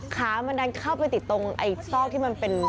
ขามันดันเข้าไปติดตรงไอ้ซอกที่มันเป็น